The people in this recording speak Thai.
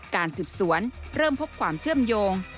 การสืบสวนเริ่มพบความเชื่อมโยง